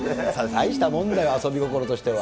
大したもんだよ、遊び心としては。